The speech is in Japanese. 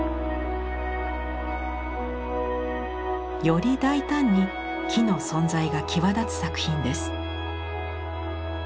より大胆に木の存在が際立つ作品です。